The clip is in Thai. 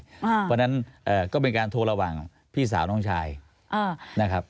เพราะฉะนั้นก็เป็นการโทรระหว่างพี่สาวน้องชายนะครับ